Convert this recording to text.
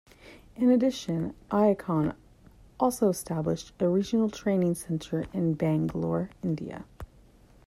In addition, Accion also established a regional training center in Bangalore, India.